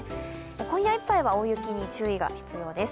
今夜いっぱいは大雪に注意が必要です。